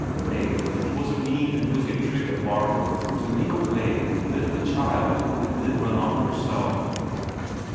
Nay, 'twas a mean and wicked trick of Barbro to make away with the bit of a child and then run off herself.